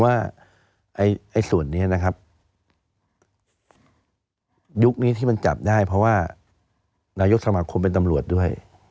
ว่าส่วนนี้นะครับยุคนี้ที่มันจับได้เพราะว่านายกสมาคมเป็นตำรวจด้วย